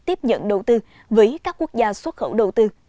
tiếp nhận đầu tư với các quốc gia xuất khẩu đầu tư